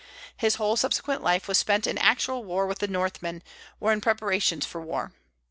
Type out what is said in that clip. His whole subsequent life was spent in actual war with the Northmen, or in preparations for war.